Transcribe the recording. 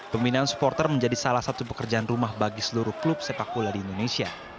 pembinaan supporter menjadi salah satu pekerjaan rumah bagi seluruh klub sepak bola di indonesia